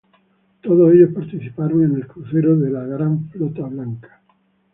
Todos ellos participaron en el crucero de la Gran flota blanca.